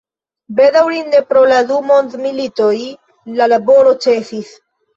Bedaŭrinde, pro la du mondmilitoj la laboro ĉesis.